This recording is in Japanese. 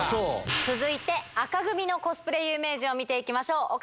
続いて、紅組のコスプレ有名人を見ていきましょう。